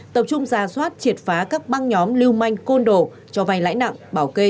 tập trung ra soát triệt phá các băng nhóm lưu manh côn đồ cho vành lãnh nặng bảo kê